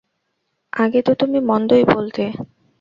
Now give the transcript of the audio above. আগে তো তুমি মন্দই বলতে!